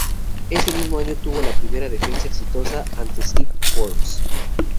Ese mismo año tuvo la primera defensa exitosa ante Steve Forbes.